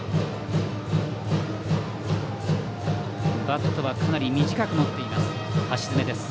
バットはかなり短く持っています橋爪です。